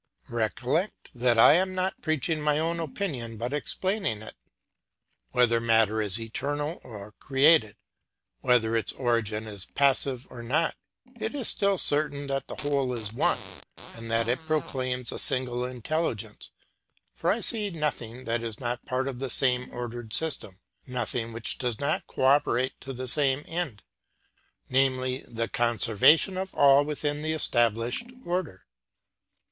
Recollect that I am not preaching my own opinion but explaining it. Whether matter is eternal or created, whether its origin is passive or not, it is still certain that the whole is one, and that it proclaims a single intelligence; for I see nothing that is not part of the same ordered system, nothing which does not co operate to the same end, namely, the conservation of all within the established order.